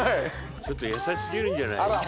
ちょっと優しすぎるんじゃない？